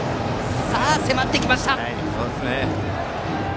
さあ、迫ってきました。